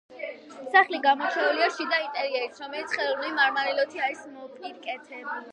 სახლი გამორჩეულია შიდა ინტერიერით, რომელიც ხელოვნური მარმარილოთი არის მოპირკეთებული.